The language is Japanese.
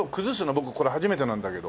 僕これ初めてなんだけど。